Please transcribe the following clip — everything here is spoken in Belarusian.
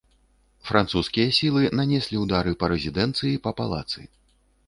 Французскія сілы нанеслі ўдары па рэзідэнцыі, па палацы.